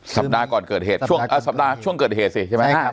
สัปดาห์ก่อนเกิดเหตุช่วงสัปดาห์ช่วงเกิดเหตุสิใช่ไหม